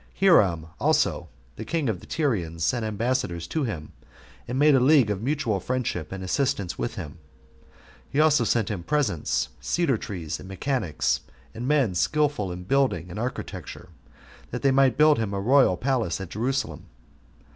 Hiram also, the king of the Tyrians, sent ambassadors to him, and made a league of mutual friendship and assistance with him. He also sent him presents, cedar trees, and mechanics, and men skillful in building and architecture, that they might build him a royal palace at Jerusalem.